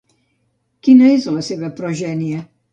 Quina és la seva progènie?